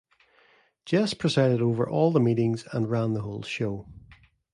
Jess presided over all the meetings, and ran the whole show.